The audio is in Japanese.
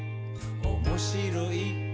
「おもしろい？